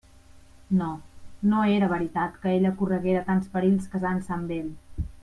No; no era veritat que ella correguera tants perills casant-se amb ell.